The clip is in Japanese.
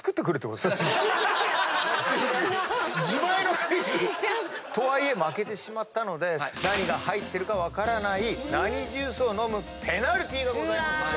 自前のクイズ⁉とはいえ負けてしまったので何が入ってるか分からないナニジュースを飲むペナルティーがございますので。